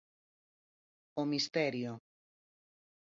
O misterio.